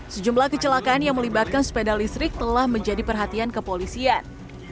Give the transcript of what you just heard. sejumlah kecelakaan yang melibatkan sepeda listrik telah menjadi perhatian kepolisian